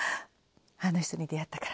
あの人に出会ったから。